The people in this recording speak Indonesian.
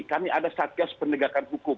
kami ada satyas pendegakan hukum